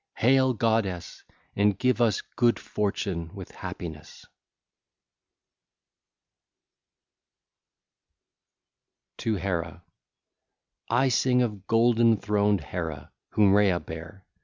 (l. 5) Hail, goddess, and give us good fortune with happiness! XII. TO HERA (ll. 1 5) I sing of golden throned Hera whom Rhea bare.